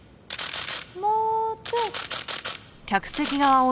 もうちょい。